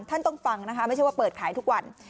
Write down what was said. ต้องฟังนะคะไม่ใช่ว่าเปิดขายทุกวัน